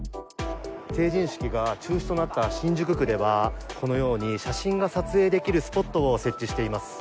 成人式が中止となった新宿区ではこのように写真が撮影できるスポットを設置しています。